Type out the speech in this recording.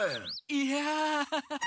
いやアハハハ。